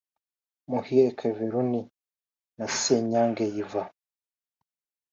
Muhire Kevin Rooney na Senyange Yvan